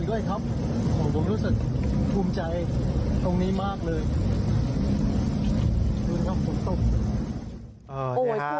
โอ้โฮคุณ